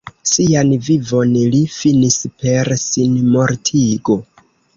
Sian vivon li finis per sinmortigo.